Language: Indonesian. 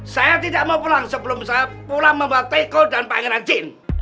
saya tidak mau pulang sebelum saya pulang membawa teko dan pangeran jin